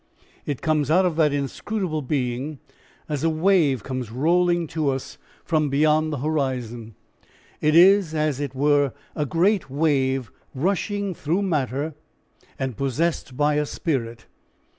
It comes out of that inscrutable being as a wave comes rolling to us from beyond the horizon. It is as it were a great wave rushing through matter and possessed by a spirit.